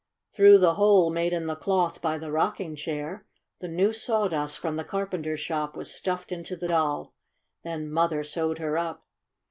Through the hole made in the cloth by the rocking chair, the new sawdust from the carpenter shop was stuffed into the Doll. Then Mother sewed her up.